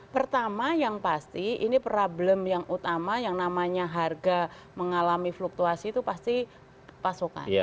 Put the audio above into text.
pertama yang pasti ini problem yang utama yang namanya harga mengalami fluktuasi itu pasti pasokan